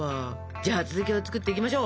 じゃあ続きを作っていきましょう。